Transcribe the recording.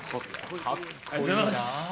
ありがとうございます！